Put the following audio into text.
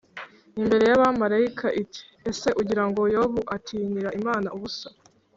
imbere y abamarayika ati Ese ugira ngo Yobu atinyira Imana ubusa